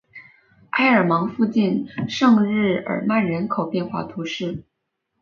埃尔芒附近圣日耳曼人口变化图示